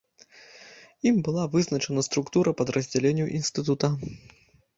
Ім была вызначана структура падраздзяленняў інстытута.